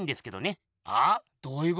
あ？どういうことだ？